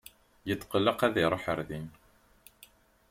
Yetqelleq ad iruḥ ɣer din.